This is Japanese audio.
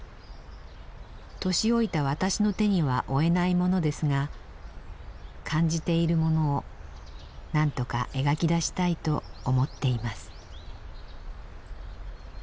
年老いた私の手には負えないものですが感じているものをなんとか描き出したいと思っています」。